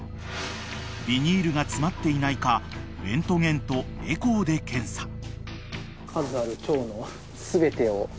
［ビニールが詰まっていないかレントゲンとエコーで検査］